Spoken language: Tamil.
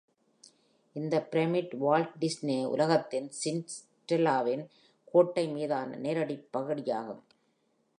இந்த பிரமிட் வால்ட் டிஸ்னே உலகத்தின் சிண்ட்ரெல்லாவின் கோட்டை மீதான நேரடிப் பகடியாகும்.